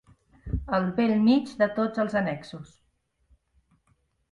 Al bell mig de tots els annexos.